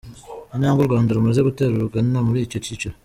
Intambwe u Rwanda rumaze gutera rugana muri icyo cyiciro.